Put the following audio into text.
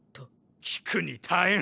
聞くに堪えん！